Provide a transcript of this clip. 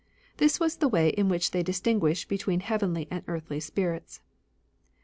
This was the way m which they distin guished between heavenly and earthly spirits.